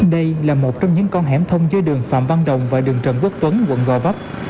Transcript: đây là một trong những con hẻm thông dưới đường phạm văn đồng và đường trần quốc tuấn quận gò vấp